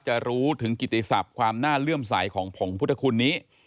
จะรู้ถึงกิติศัพท์ความน่าเลื่อมใสของผงพุทธคุณนี้